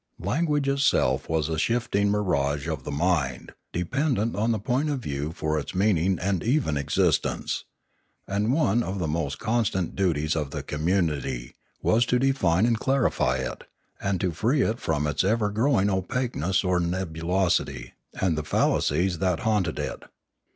Language itself was a shifting mirage of Ethics 605 the mind, dependent on the point of view for its mean ing and even existence; and one of the most constant duties of the community was to define and clarify it, and to free it from its ever growing opaqueness or nebulosity, and the fallacies that haunted it.